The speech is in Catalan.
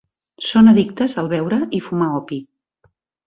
Són addictes al beure i fumar opi.